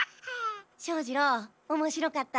庄二郎おもしろかった？